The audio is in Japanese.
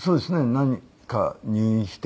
何日か入院して。